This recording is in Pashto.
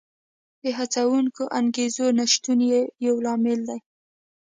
د هڅوونکو انګېزو نشتون یې یو لامل دی